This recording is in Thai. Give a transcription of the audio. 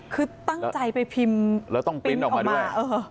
คือตั้งใจไปพิมพ์แล้วต้องปริ้นต์ออกมาด้วย